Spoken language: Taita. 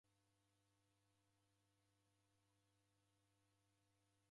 Nafunya mafunyo ghapo